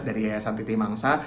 dari yayasan titi mangsa